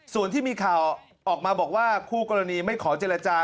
ส่วนที่มีข่าวออกมาบอกว่าคู่กรณีไม่ขอเจรจา